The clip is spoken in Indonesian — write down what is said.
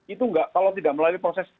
itu kalau tidak melalui proses